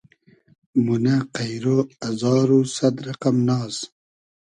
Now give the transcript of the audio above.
مونۂ قݷرۉ ازار و سئد رئقئم ناز